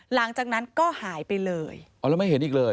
หลังจากนั้นก็หายไปเลยอ๋อแล้วไม่เห็นอีกเลย